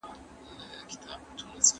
د خرما خوړل په بدن کې د وینې د کمښت مخه نیسي.